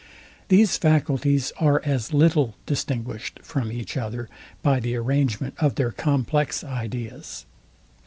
These faculties are as little distinguished from each other by the arrangement of their complex ideas.